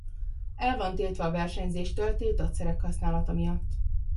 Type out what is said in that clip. El van tiltva a versenyzéstől tiltott szerek használata miatt.